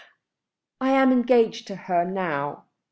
I am engaged to her now."